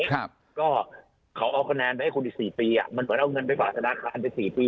ก็ขอขนาดไปให้คุณอีกสี่ปีอ่ะมันเหมือนเอาเงินไปฝากสนาคารไปสี่ปี